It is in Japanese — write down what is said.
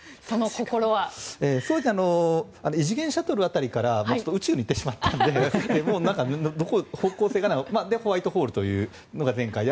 異次元シャトル辺りからちょっと宇宙に行ってしまったので方向性がで、ホワイトホールというのが前回で。